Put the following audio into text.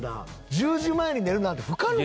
１０時前に寝るなんて不可能。